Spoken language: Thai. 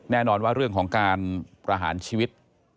แน่นอนว่าเรื่องของการประหารชีวิต